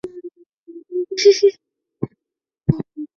落羽松叶下珠为大戟科叶下珠属下的一个种。